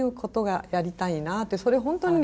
それ本当にね